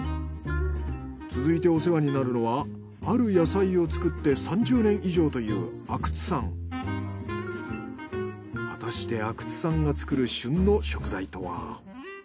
続いてお世話になるのはある野菜を作って３０年以上という果たして阿久津さんが作る旬の食材とは？